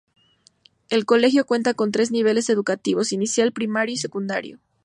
El colegio cuenta con tres niveles educativos: inicial, primario y secundario.